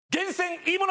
いいもの